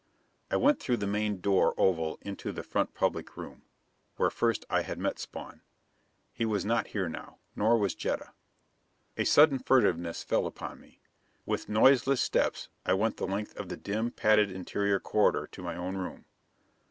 I went through the main door oval into the front public room, where first I had met Spawn. He was not here now, nor was Jetta. A sudden furtiveness fell upon me. With noiseless steps I went the length of the dim, padded interior corridor to my own room.